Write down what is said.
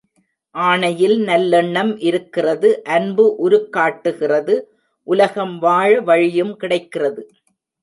ஆணையில் நல்லெண்ணம் இருக்கிறது அன்பு உருக்காட்டுகிறது உலகம் வாழ வழியும் கிடைக்கிறது.